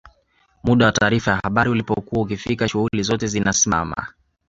muda wa taarifa ya habari ulipokuwa ukifika shughuli zote zinasimama